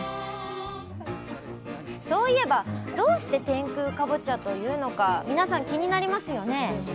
そういえばどうして天空かぼちゃというのか皆さん気になりますよね。